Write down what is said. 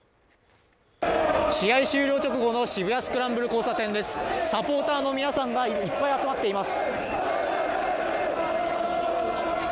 試合終了直後の渋谷スクランブル交差点でサポーターの皆さんがいっぱい集まっています